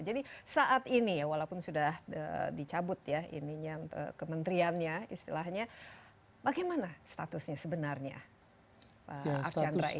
jadi saat ini walaupun sudah dicabut ya kementeriannya istilahnya bagaimana statusnya sebenarnya pak archan ratahar ini